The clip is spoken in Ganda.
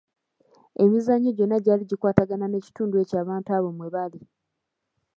Emizannyo gyonna gyali gikwatagana n’ekitundu ekyo abantu abo mwe bali.